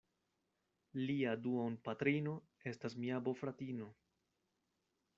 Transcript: Lia duonpatrino estas mia bofratino.